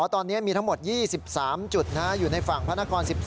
ตอนนี้มีทั้งหมด๒๓จุดอยู่ในฝั่งพระนคร๑๔